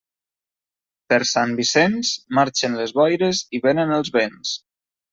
Per Sant Vicenç, marxen les boires i vénen els vents.